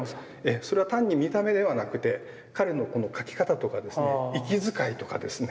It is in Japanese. それは単に見た目ではなくて彼のこの描き方とかですね息遣いとかですね。